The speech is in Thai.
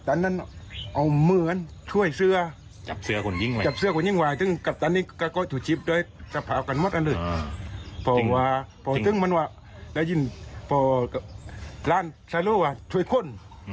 เพราะเหล่านายร่วงระบุซัพชินซ่อนไปช่วยคน